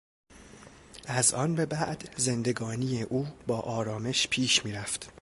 از آن به بعد زندگانی او با آرامش پیش میرفت.